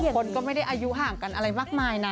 คนก็ไม่ได้อายุห่างกันอะไรมากมายนะ